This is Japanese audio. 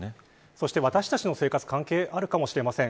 そして、私たちの生活に関係あるかもしれません。